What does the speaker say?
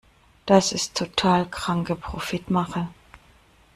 Das ist total kranke Profitmache!